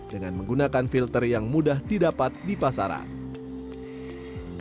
dengan menggunakan filter yang mudah didapat di pasaran